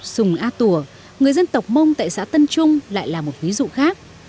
sùng a tủa người dân tộc mông tại xã tân trung lại là một ví dụ khác